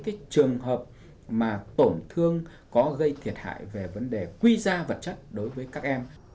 cái trường hợp mà tổn thương có gây thiệt hại về vấn đề quy ra vật chất đối với các em